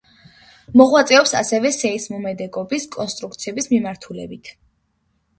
მოღვაწეობს ასევე სეისმომედეგობის კონსტრუქციების მიმართულებით.